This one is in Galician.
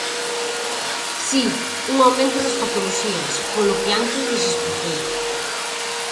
Si, un aumento das patoloxías polo que antes lles expliquei.